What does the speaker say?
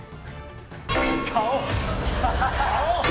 顔！